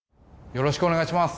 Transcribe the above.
よろしくお願いします。